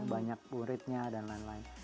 banyak muridnya dan lain lain